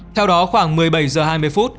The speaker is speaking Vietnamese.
theo đó khoảng một mươi bảy h hai mươi